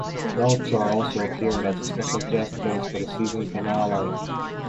Melchor also appeared as the special guest host for the season finale.